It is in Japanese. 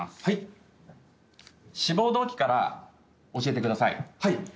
志望動機から教えてください。